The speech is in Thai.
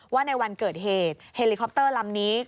ว่าในวันเกิดเหตุเฮลิคอปเตอร์ลำนี้